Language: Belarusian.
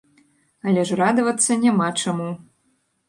Але ж радавацца няма чаму.